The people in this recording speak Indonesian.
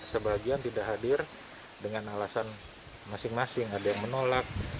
sebagian tidak hadir dengan alasan masing masing ada yang menolak